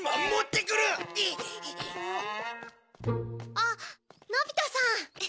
あっのび太さん。